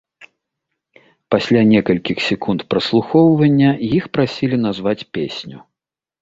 Пасля некалькіх секунд праслухоўвання іх прасілі назваць песню.